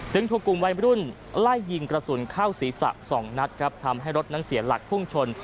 ถูกกลุ่มวัยมรุ่นไล่ยิงกระสุนเข้าศีรษะสองนัดครับทำให้รถนั้นเสียหลักพุ่งชน